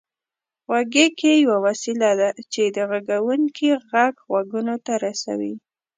غوږيکې يوه وسيله ده چې د غږوونکي غږ غوږونو ته رسوي